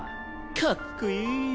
かっくいい。